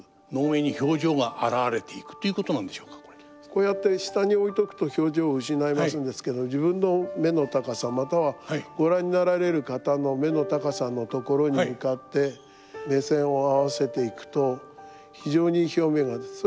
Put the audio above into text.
こうやって下に置いとくと表情失いますんですけど自分の目の高さまたはご覧になられる方の目の高さのところに向かって目線を合わせていくと非常に表面なんです。